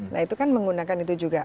nah itu kan menggunakan itu juga